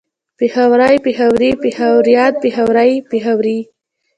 پېښوری پېښوري پېښوريان پېښورۍ پېښورې